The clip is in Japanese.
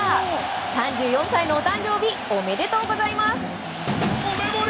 ３４歳のお誕生日おめでとうございます！